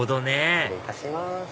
失礼いたします。